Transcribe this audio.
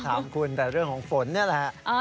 ถามคุณแต่เรื่องของฝนนี่แหละ